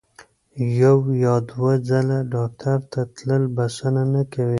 یو یا دوه ځله ډاکټر ته تلل بسنه نه کوي.